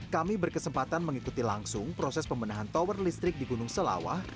kami berkesempatan mengikuti langsung proses pembenahan tower listrik di gunung selawah